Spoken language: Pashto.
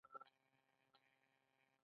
په دسترخان کې د ډوډۍ ټوټې ټولول ثواب دی.